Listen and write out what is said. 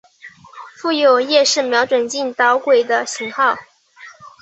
附有夜视瞄准镜导轨的型号。